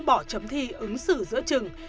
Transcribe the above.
bỏ chấm thi ứng xử giữa trừng